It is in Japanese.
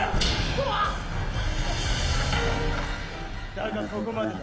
だがここまでだ。